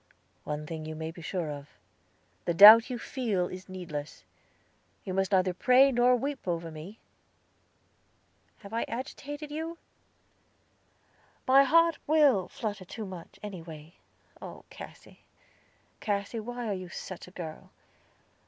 One thing you may be sure of. The doubt you feel is needless. You must neither pray nor weep over me. Have I agitated you?" "My heart will flutter too much, anyway. Oh, Cassy, Cassy, why are you such a girl?